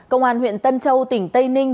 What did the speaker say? công an huyện tân châu tỉnh tây ninh